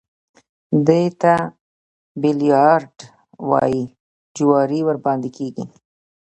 دې ته بيليارډ وايي جواري ورباندې کېږي.